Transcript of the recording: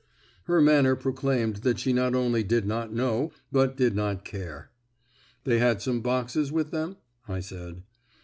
Her manner proclaimed that she not only did not know, but did not care. "They had some boxes with them?" I said.